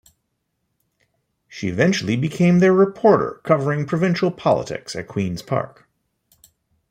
She eventually became their reporter covering provincial politics at Queen's Park.